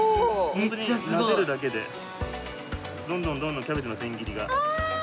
ホントになでるだけでどんどんどんどんキャベツの千切りが。